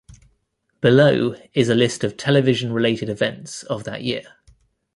Below is a list of television-related events of that year.